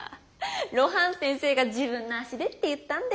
露伴先生が自分の足でって言ったんで。